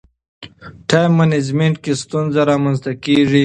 ټایم منجمنټ کې ستونزې رامنځته کېږي.